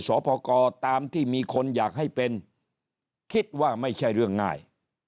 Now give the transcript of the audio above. สอบพกรตามที่มีคนอยากให้เป็นคิดว่าไม่ใช่เรื่องง่าย